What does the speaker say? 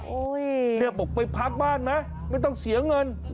เนี่ยบอกไปพักบ้านไหมไม่ต้องเสียเงิน